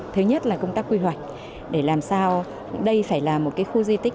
thứ nhất là công tác quy hoạch để làm sao đây phải là một khu di tích